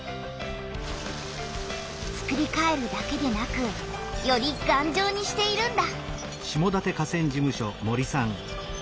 つくりかえるだけでなくよりがんじょうにしているんだ。